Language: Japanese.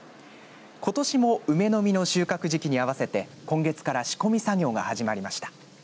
ことしも梅の実の収穫時期に合わせて今月から仕込み作業が始まりました。